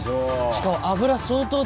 しかも。